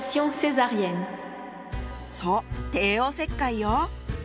そう帝王切開よ。